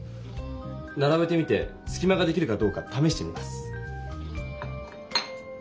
ならべてみてすきまができるかどうかためしてみます。